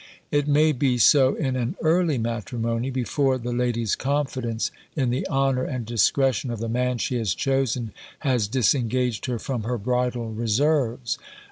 "It may be so in an early matrimony, before the lady's confidence in the honour and discretion of the man she has chosen has disengaged her from her bridal reserves."